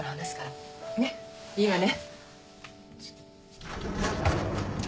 ねっいいわね。